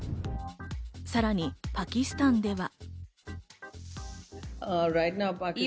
さらにパキスタンでは。